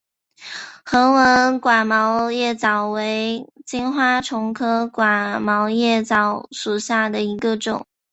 横纹寡毛叶蚤为金花虫科寡毛叶蚤属下的一个种。